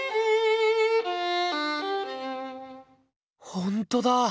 ほんとだ。